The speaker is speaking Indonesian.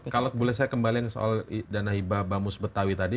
kalau boleh saya kembali yang soal dana hibah bamus betawi tadi